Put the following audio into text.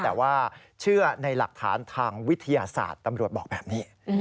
แต่ว่าเชื่อในหลักฐานทางวิทยาศาสตร์ตำรวจบอกแบบนี้